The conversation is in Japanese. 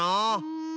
うん。